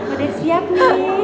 udah siap nih